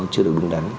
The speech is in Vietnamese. chưa được đúng đắn